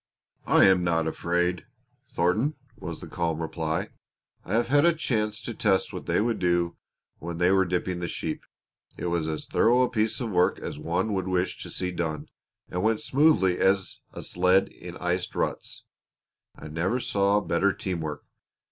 "I am not afraid, Thornton," was the calm reply. "I have had a chance to test what they would do when they were dipping the sheep. It was as thorough a piece of work as one would wish to see done, and went smoothly as a sled in iced ruts. I never saw better team work.